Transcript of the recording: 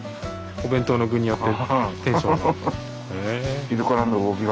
お弁当の具によってテンションが。